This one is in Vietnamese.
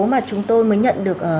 mà chúng tôi mới nhận được